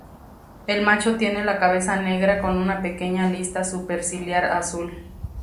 El macho tiene la cabeza negra con una pequeña lista superciliar azul.